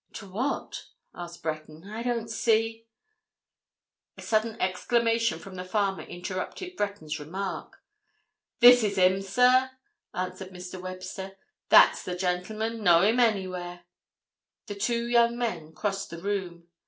"To what?" asked Breton. "I don't see—" A sudden exclamation from the farmer interrupted Breton's remark. "This is him, sir!" answered Mr. Webster. "That's the gentleman—know him anywhere!" The two young men crossed the room.